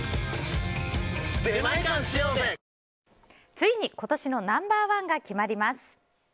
ついに今年のナンバー１が決まります。